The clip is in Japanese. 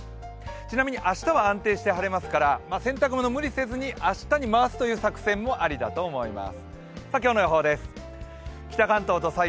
ちなみに明日は安定して晴れますから、洗濯物は無理せずに、明日に回すという作戦もありだと思います。